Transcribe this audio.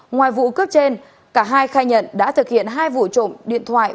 ngoài vụ cướp trên cả hai khai nhận đã thực hiện hai vụ trộm điện thoại